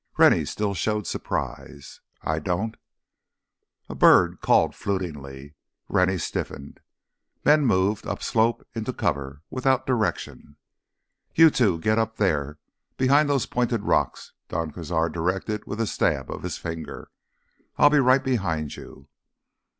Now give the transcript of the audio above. Rennie still showed surprise. "I don't—" A bird called flutingly. Rennie stiffened. Men moved, up slope, into cover, without direction. "You two ... get up there, behind those pointed rocks," Don Cazar directed with a stab of his finger. "I'll be right behind you."